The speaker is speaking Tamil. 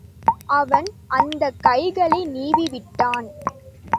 அவன் அந்த கைகளை நீவிவிட்டான்.